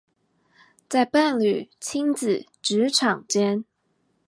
在伴侶、親子、職場間